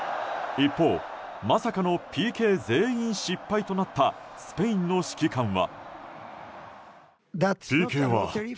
一方、まさかのＰＫ全員失敗となったスペインの指揮官は。